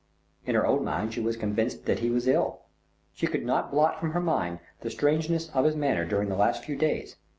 In her own mind she was convinced that he was ill. She could not blot from her mind the strangeness of his manner during the last few days.